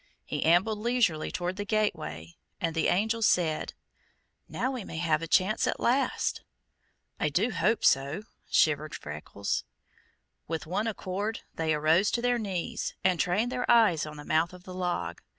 He ambled leisurely toward the gateway, and the Angel said: "Now, we may have a chance, at last." "I do hope so," shivered Freckles. With one accord they arose to their knees and trained their eyes on the mouth of the log.